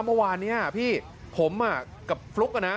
เมื่อวานนี้พี่ผมกับฟลุ๊กอะนะ